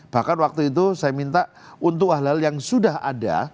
bahkan waktu itu saya minta untuk hal hal yang sudah ada